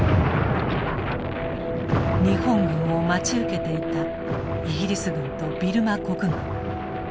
日本軍を待ち受けていたイギリス軍とビルマ国軍。